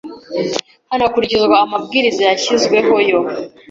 hanakurikizwa amabwiriza yashyizweho yo